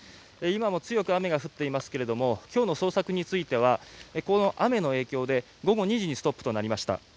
今も強く雨が降っていますが今日の捜索についてはこの雨の影響で午後２時にストップとなりました。